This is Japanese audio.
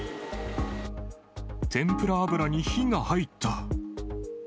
天ぷら油に火が入った。